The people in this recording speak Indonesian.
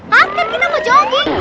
hah kan kita mau jogging